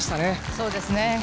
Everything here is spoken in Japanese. そうですね。